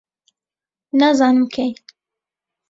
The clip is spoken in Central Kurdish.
نازانم کەی